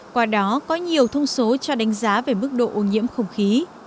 qua đó có nhiều thông số cho đánh giá về mức độ ô nhiễm không khí